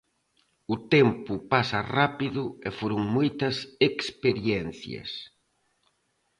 O tempo pasa rápido e foron moitas experiencias.